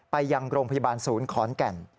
ไปยังโรงพยาบาลศูนย์ขอนแก่น